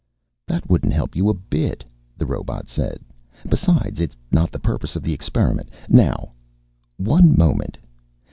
"That wouldn't help you a bit," the robot said. "Besides, it's not the purpose of the experiment. Now " "One moment.